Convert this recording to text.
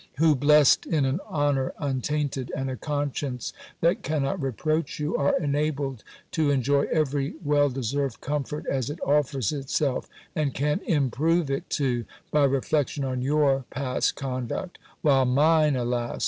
who, blessed in an honour untainted, and a conscience that cannot reproach you, are enabled to enjoy every well deserved comfort, as it offers itself; and can improve it too, by reflection on your past conduct! While mine, alas!